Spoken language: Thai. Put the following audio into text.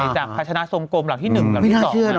จับภาชนะทรงโกมเหล่าที่๑กับที่๒